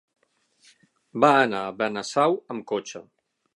Va anar a Benasau amb cotxe.